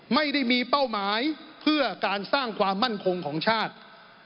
ไม่ได้มีเป้าหมายเพื่อการสร้างความมั่นคงของชาติ